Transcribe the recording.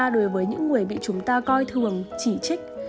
đối với những người bị chúng ta coi thường chỉ trích